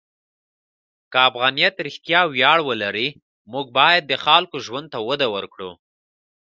که افغانیت رښتیا ویاړ ولري، موږ باید د خلکو ژوند ته وده ورکړو.